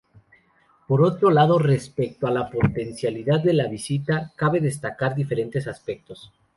Por otro lado, respecto a la potencialidad de la visita, cabe destacar diferentes aspectos.